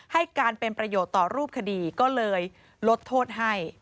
ให้การเป็นประโยชน์ต่อรูปคดีก็เลยลดโทษให้